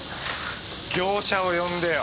業者を呼んでよ。